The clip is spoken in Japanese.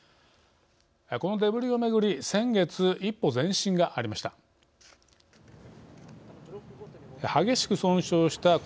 このデブリを巡り先月、一歩前進がありました。